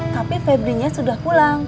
tapi febrinya sudah pulang